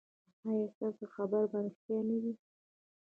ایا ستاسو خبر به ریښتیا نه وي؟